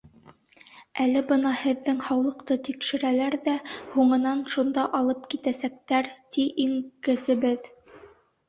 Әле бына һеҙҙең һаулыҡты тикшерәләр ҙә, һуңынан шунда алып китәсәктәр. — ти иң кесебеҙ.